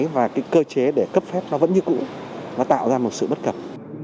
và cái cơ chế để cấp phép nó vẫn như cũ nó tạo ra một sự bất cập